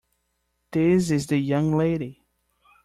This is the young lady.